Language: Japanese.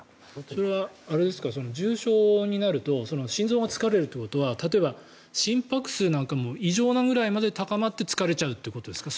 それは重症になると心臓が疲れるということは例えば、心拍数なんかも異常なぐらいまで高まって疲れちゃうってことですか？